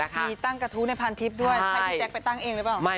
มีตั้งกระทู้ในพันทิพย์ด้วยใช่พี่แจ๊คไปตั้งเองหรือเปล่า